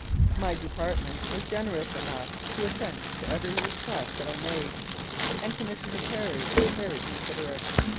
My department was generous enough to assent to every request that I made, and Commissioner Perry was very considerate.